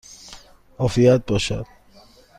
عافیت باشد!